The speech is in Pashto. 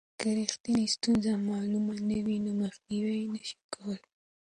که رښتینې ستونزې معلومې نه وي نو مخنیوی یې نسو کولای.